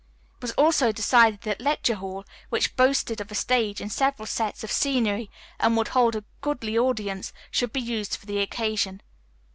It was also decided that Lecture Hall, which boasted of a stage and several sets of scenery, and would hold a goodly audience, should be used for the occasion.